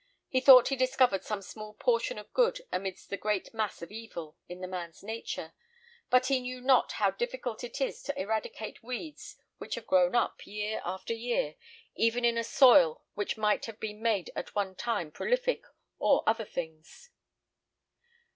He thought he discovered some small portion of good amidst the great mass of evil in the man's nature; but he knew not how difficult it is to eradicate weeds which have grown up, year after year, even in a soil which might have been made at one time prolific of other things.